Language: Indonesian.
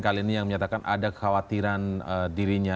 kali ini yang menyatakan ada kekhawatiran dirinya